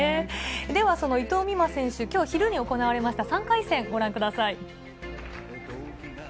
ではその伊藤美誠選手、きょう昼に行われました３回戦、ご覧ください。